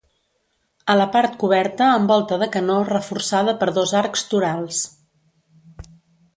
A la part coberta amb volta de canó reforçada per dos arcs torals.